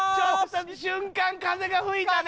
瞬間風が吹いたね。